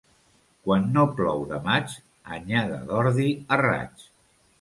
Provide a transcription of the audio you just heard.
Quan no plou de maig, anyada d'ordi a raig.